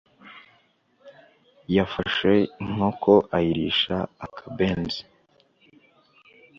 Yafashe inkoko ayirisha akabenzi